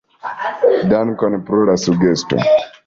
Dankon pro la sugesto.